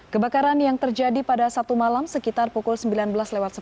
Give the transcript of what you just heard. kebakaran yang terjadi pada satu malam sekitar pukul sembilan belas lewat sepuluh